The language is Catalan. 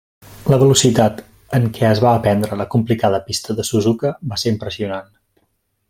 La velocitat en què es va aprendre la complicada pista de Suzuka va ser impressionant.